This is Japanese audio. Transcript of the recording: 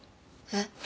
えっ？